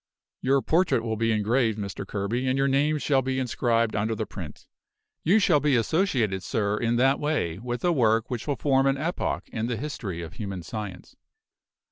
Your portrait will be engraved, Mr. Kerby, and your name shall be inscribed under the print. You shall be associated, sir, in that way, with a work which will form an epoch in the history of human science.